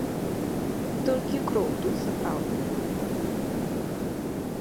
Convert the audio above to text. Толькі кроў тут сапраўдная.